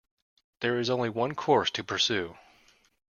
There is only one course to pursue.